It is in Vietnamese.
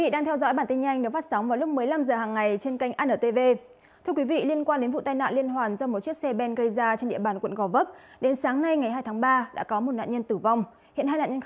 các bạn hãy đăng ký kênh để ủng hộ kênh của chúng mình nhé